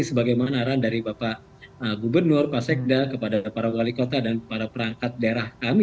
sebagaimanaran dari bapak gubernur pak sekda kepada para wali kota dan para perangkat daerah kami